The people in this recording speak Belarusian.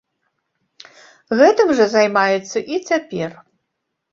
Гэтым жа займаецца і цяпер.